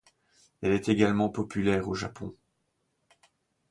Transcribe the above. Elle est également populaire au Japon.